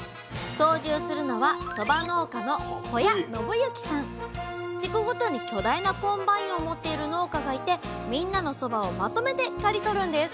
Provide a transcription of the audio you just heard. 操縦するのは地区ごとに巨大なコンバインを持っている農家がいてみんなのそばをまとめて刈り取るんです